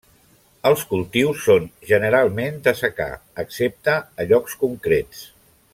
Els cultius són generalment de secà excepte a llocs concrets.